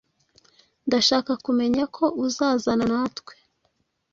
Ndashaka kumenya ko uzazana natwe.